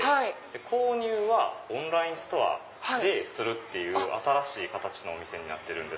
購入はオンラインストアでする新しい形のお店になってるんです。